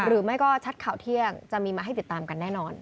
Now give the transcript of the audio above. หรือไม่ก็ชัดข่าวเที่ยงจะมีมาให้ติดตามกันแน่นอน